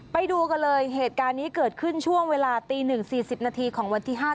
ไปดูกันเลยเหตุการณ์นี้เกิดขึ้นช่วงเวลาตี๑๔๐นาทีของวันที่๕